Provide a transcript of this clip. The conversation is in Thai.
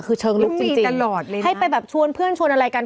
คือเชิงลุกจริงตลอดเลยให้ไปแบบชวนเพื่อนชวนอะไรกัน